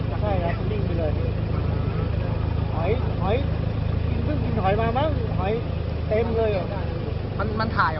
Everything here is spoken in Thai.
ใช่ครับมันนิ่งไปเลย